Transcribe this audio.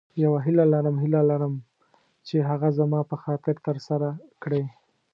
یوه هیله لرم هیله لرم چې هغه زما په خاطر تر سره کړې.